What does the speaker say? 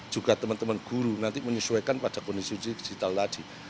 juga teman teman guru nanti menyesuaikan pada kondisi digital lagi